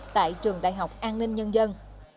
tại trường đại học an ninh nhân dân